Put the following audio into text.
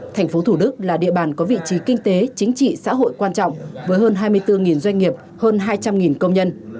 thành phố thủ đức là địa bàn có vị trí kinh tế chính trị xã hội quan trọng với hơn hai mươi bốn doanh nghiệp hơn hai trăm linh công nhân